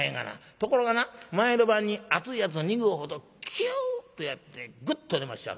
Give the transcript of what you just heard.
ところがな前の晩に熱いやつを２合ほどキュッとやってグッと寝まっしゃろ。